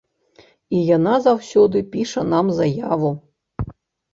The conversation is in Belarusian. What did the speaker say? І яна заўсёды піша нам заяву.